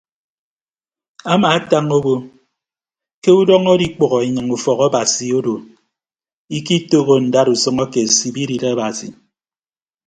Amaatañ obo ke udọñ adikpʌghọ anyịñ ufọk abasi odo ikitooho ndausʌñ ake sibidịt abasi.